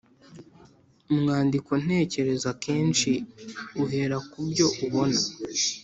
umwandiko ntekerezo akenshi uhera ku byo ubona